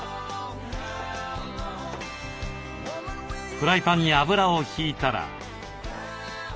フライパンに油を引いたら。